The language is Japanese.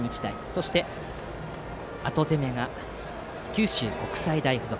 そして後攻めが九州国際大付属。